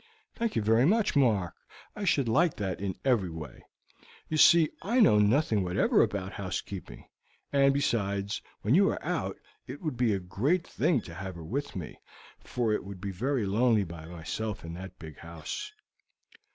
"Thank you very much, Mark; I should like that in every way. You see, I know nothing whatever about housekeeping; and besides, when you are out, it would be a great thing to have her with me, for it would be very lonely by myself in that big house."